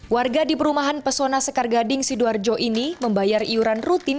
warga di perumahan pesona sekar gading sidoarjo ini membayar iuran rutin